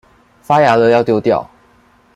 發芽了要丟掉